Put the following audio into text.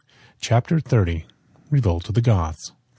] Chapter XXX: Revolt Of The Goths.